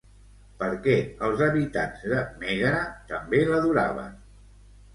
Per què els habitants de Mègara també l'adoraven?